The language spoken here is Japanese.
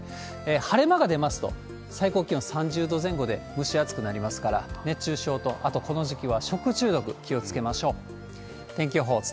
晴れ間が出ますと、最高気温３０度前後で蒸し暑くなりますから、熱中症と、あとこの時期は食中毒、気をつけましょう。